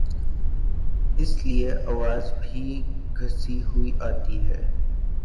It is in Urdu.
اس لئے آواز بھی گھسی ہوئی آتی ہے۔